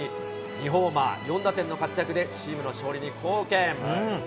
２ホーマー４打点の活躍で、チームの勝利に貢献。